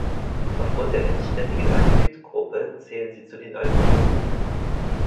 Aufgrund der endständigen Aldehyd-Gruppe zählen sie zu den Aldosen.